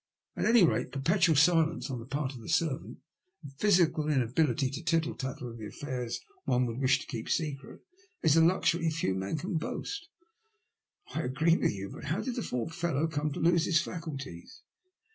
At any rate, perpetual silence on the part of a servant and physical inability to tittle tattle of the affairs one would wish kept a secret, is a luxury few men can boast." " I agree with you ; but bow did the poor fellow come to lose his faculties